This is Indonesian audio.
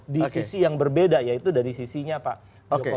di sisi yang berbeda yaitu dari sisinya pak jokowi